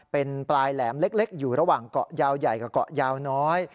เป็นปลายแหลมเล็กอยู่ระหว่างเกาะยาวใหญ่กับเกาะยาวน้อย